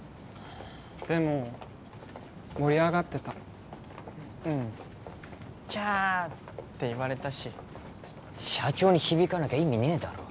でも盛り上がってたうんキャーって言われたし社長に響かなきゃ意味ねえだろ